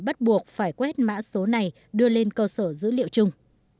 bắt buộc phải quét mã số này đưa lên cơ sở dữ liệu chung